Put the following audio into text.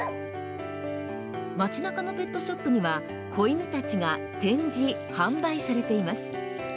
街中のペットショップには子犬たちが展示・販売されています。